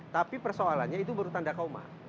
tapi persoalannya itu baru tanda koma